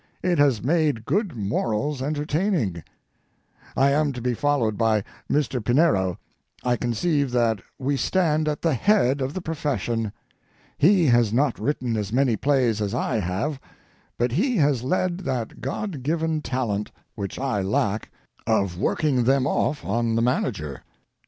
It has made good morals entertaining. I am to be followed by Mr. Pinero. I conceive that we stand at the head of the profession. He has not written as many plays as I have, but he has lead that God given talent, which I lack, of working them off on the manager.